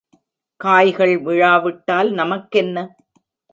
காய்கள் விழாவிட்டால் நமக்கென்ன?